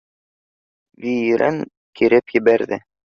ВИИирен киреп ебәрҙе